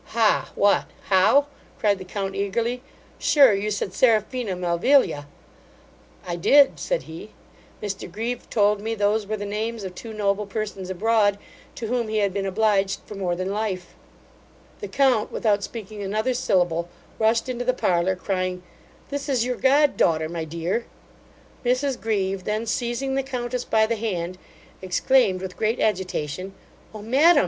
'Ha! what! how! (cried the count eagerly) sure, you said Seraphina Melvilia.' 'I did (said he); Mr Grieve told me those were the names of two noble persons abroad, to whom he had been obliged for more than life.' The count, without speaking another syllable, rushed into the parlour, crying, 'This is your god daughter, my dear.' Mrs Grieve, then seizing the countess by the hand, exclaimed with great agitation, 'O madam!